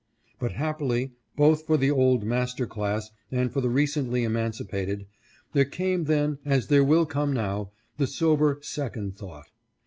But happily, both for the old master class and for the recently emancipated, there came then, as there will come now, the sober second thought.